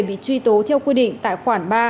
bị truy tố theo quy định tài khoản ba